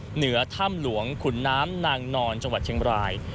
เหนือถ้ำหลวงขุนน้ำนางนอนจังหวัดเชียงบราย